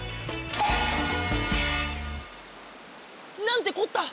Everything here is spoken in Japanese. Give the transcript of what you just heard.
なんてこった！